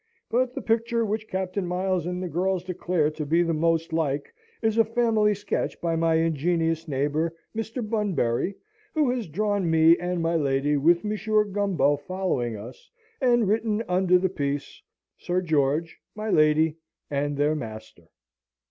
But the picture which Captain Miles and the girls declare to be most like is a family sketch by my ingenious neighbour, Mr. Bunbury, who has drawn me and my lady with Monsieur Gumbo following us, and written under the piece, "SIR GEORGE, MY LADY, AND THEIR MASTER."